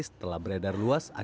setelah beredar luas akibatnya